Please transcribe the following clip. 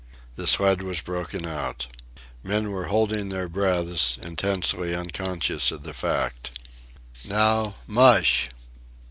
The sled was broken out. Men were holding their breaths, intensely unconscious of the fact. "Now, MUSH!"